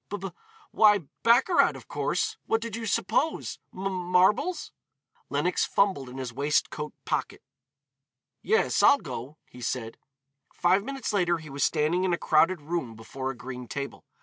"B b, why baccarat of course. What did you suppose? M marbles?" Lenox fumbled in his waistcoat pocket. "Yes, I'll go," he said. Five minutes later he was standing in a crowded room before a green table.